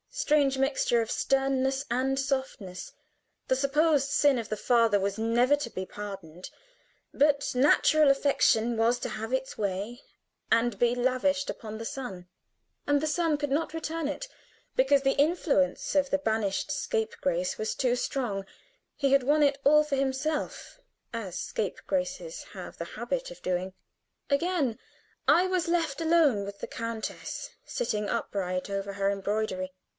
Strange mixture of sternness and softness! The supposed sin of the father was never to be pardoned; but natural affection was to have its way, and be lavished upon the son; and the son could not return it, because the influence of the banished scapegrace was too strong he had won it all for himself, as scapegraces have the habit of doing. Again I was left alone with the countess, sitting upright over her embroidery.